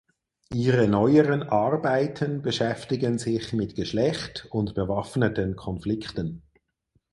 Ihre neueren Arbeiten beschäftigen sich mit Geschlecht und bewaffneten Konflikten.